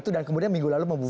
dan kemudian minggu lalu membuat